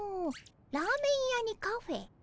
ラーメン屋にカフェ。